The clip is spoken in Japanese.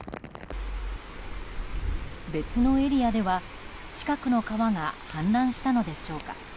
別のエリアでは、近くの川が氾濫したのでしょうか。